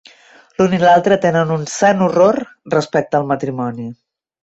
L’un i l'altre tenen un sant horror respecte al matrimoni.